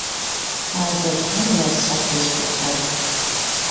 ھازىر ھەممە نەرسە ساختىلىشىپ كېتىپ بارىدۇ.